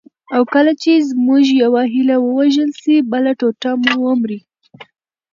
او کله چي زموږ یوه هیله ووژل سي، بله ټوټه مو ومري.